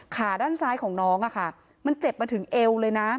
ขาด้านซ้ายของน้องอะค่ะมันเจ็บมาถึงเอวเลยนะ